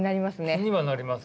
気にはなりますけどね。